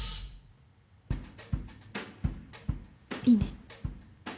いいね！